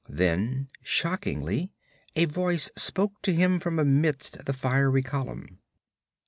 Then, shockingly, a voice spoke to him from amidst the fiery column.